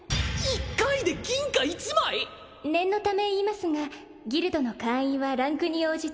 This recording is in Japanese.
念のため言いますがギルドの会員はランクに応じて